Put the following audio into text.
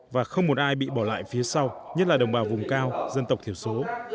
và không một ai bị bỏ lại phía sau nhất là đồng bào vùng cao dân tộc thiểu số